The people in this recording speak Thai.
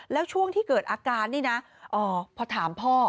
แล้วช่วงที่เกิดอาการนี่นะพอถามพ่อ